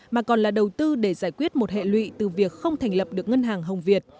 mà còn là đầu tư để giải quyết một hệ lụy từ việc không thành lập được ngân hàng hồng việt